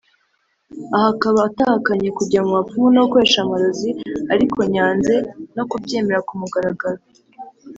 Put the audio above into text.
aha akaba atahakanye kujya mu bapfumu no gukoresha amarozi arikonyanze no kubyemera ku mugaragaro